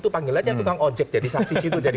panggil aja tukang ojek jadi saksi situ